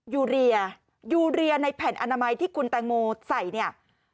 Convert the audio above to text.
ยูเรียยูเรียในแผ่นอนามัยที่คุณแตงโมใส่เนี่ย